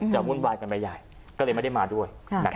วุ่นวายกันไปใหญ่ก็เลยไม่ได้มาด้วย